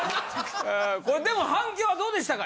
でも反響はどうでしたか？